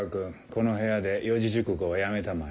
この部屋で四字熟語はやめたまえ。